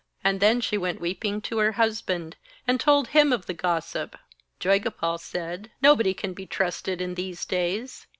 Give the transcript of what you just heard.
And then she went weeping to her husband, and told him of the gossip. Joygopal said: 'Nobody can be trusted in these days.